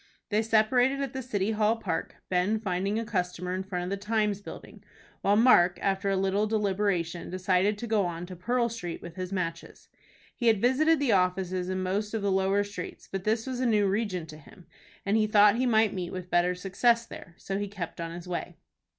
They separated at the City Hall Park, Ben finding a customer in front of the "Times" building, while Mark, after a little deliberation, decided to go on to Pearl Street with his matches. He had visited the offices in most of the lower streets, but this was a new region to him, and he thought he might meet with better success there. So he kept on his way.